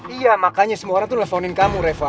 iya makanya semua orang tuh nelfonin kamu reva